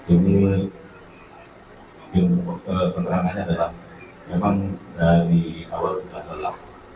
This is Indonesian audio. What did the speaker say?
ini keterangannya adalah memang dari awal sudah dolam